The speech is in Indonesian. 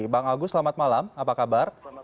bang agus selamat malam apa kabar